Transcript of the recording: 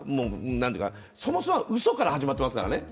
そもそもはうそから始まっていますから。